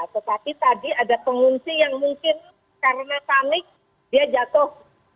tetapi tadi ada pengungsi yang mungkin karena panik dia jatuh